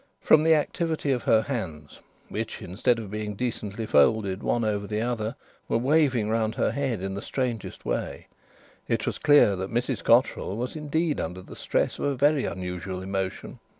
From the activity of her hands, which, instead of being decently folded one over the other, were waving round her head in the strangest way, it was clear that Mrs Cotterill was indeed under the stress of a very unusual emotion.